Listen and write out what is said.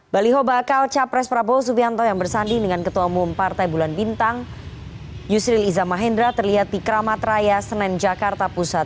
baliho bakal capres prabowo subianto yang bersanding dengan ketua umum partai bulan bintang yusril iza mahendra terlihat di keramat raya senen jakarta pusat